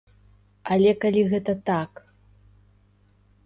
Але калі гэта так!